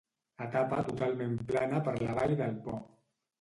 Etapa totalment plana per la vall del Po.